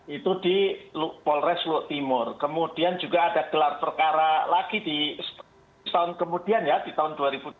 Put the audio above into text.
itu di polres lu timur kemudian juga ada gelar perkara lagi di setahun kemudian ya di tahun dua ribu dua puluh